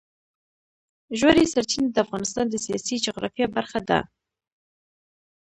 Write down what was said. ژورې سرچینې د افغانستان د سیاسي جغرافیه برخه ده.